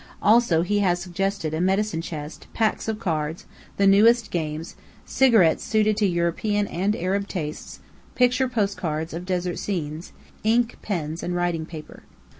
Also he has suggested a medicine chest, packs of cards, the newest games, cigarettes suited to European and Arab tastes, picture post cards of desert scenes; ink, pens, and writing paper.